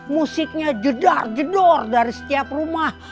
musiknya jedar jedor dari setiap rumah